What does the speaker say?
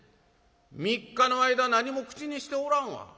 「３日の間何も口にしておらんわ」。